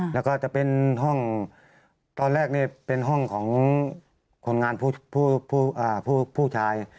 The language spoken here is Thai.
แล้วก็จะเป็นห้องตอนแรกนี่เป็นห้องของคนงานผู้ชาย